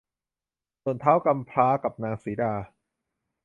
ส่วนท้าวกำพร้ากับนางสีดา